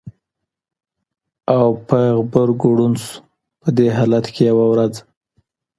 او په غبرګو ړوند شو! په دې حالت کې یوه ورځ